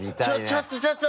「ちょっとちょっと！